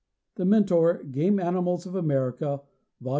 113 THE MENTOR GAME ANIMALS OF AMERICA By W.